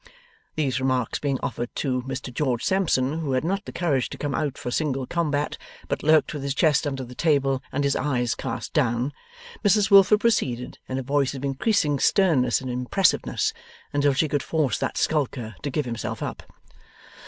These remarks being offered to Mr George Sampson, who had not the courage to come out for single combat, but lurked with his chest under the table and his eyes cast down, Mrs Wilfer proceeded, in a voice of increasing sternness and impressiveness, until she should force that skulker to give himself up.